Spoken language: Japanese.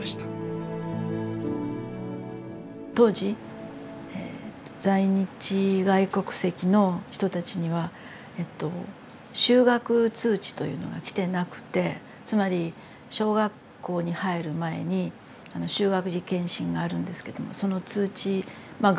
当時えと在日外国籍の人たちにはえっと就学通知というのが来てなくてつまり小学校に入る前に就学時健診があるんですけどもその通知まあ